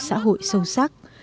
xã hội sâu sắc